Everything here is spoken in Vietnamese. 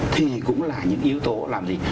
thì cũng là những yếu tố làm gì